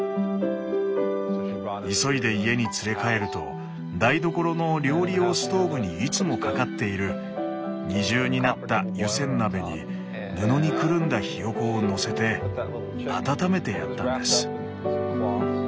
急いで家に連れ帰ると台所の料理用ストーブにいつもかかっている二重になった湯煎鍋に布にくるんだヒヨコをのせて温めてやったんです。